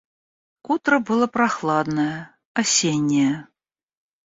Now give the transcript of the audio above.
Утро было прохладное, осеннее.